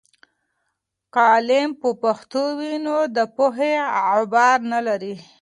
که علم په پښتو وي، نو د پوهې غبار نلري.